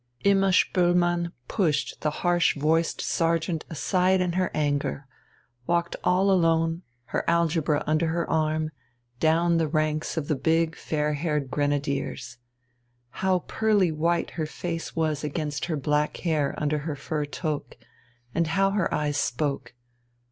Imma Spoelmann pushed the harsh voiced sergeant aside in her anger walked all alone, her algebra under her arm, down the ranks of the big fair haired grenadiers. How pearly white her face was against her black hair under her fur toque, and how her eyes spoke!